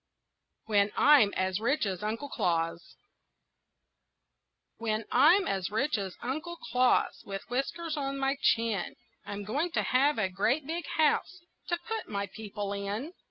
WHEN I'M AS RICH AS UNCLE CLAUS When I'm as rich as Uncle Claus, With whiskers on my chin, I'm going to have a great big house To put my people in.